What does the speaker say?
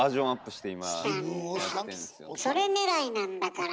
それねらいなんだから。